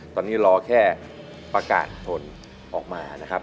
ตอนนี้รอแค่ประกาศผลออกมานะครับ